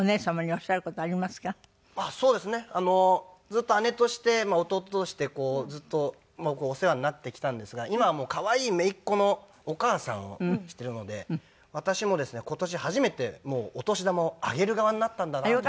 ずっと姉として弟としてずっとお世話になってきたんですが今は可愛い姪っ子のお母さんをしているので私もですね今年初めてお年玉をあげる側になったんだなと。